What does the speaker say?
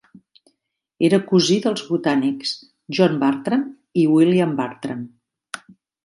Era cosí dels botànics John Bartram i William Bartram.